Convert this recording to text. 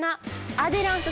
アデランス。